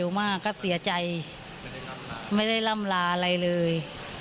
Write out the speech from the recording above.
มากก็เสียใจไม่ได้ล่ำลาอะไรเลย